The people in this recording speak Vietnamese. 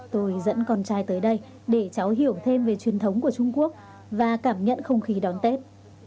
tôi dẫn con trai tới đây để cháu hiểu thêm về truyền thống của trung quốc và cảm nhận không khí đón tết